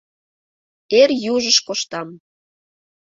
Эр южыш коштам —